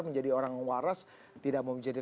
menjadi orang waras tidak mau menjadi